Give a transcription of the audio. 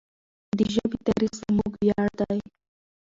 د ژبې تاریخ زموږ ویاړ دی.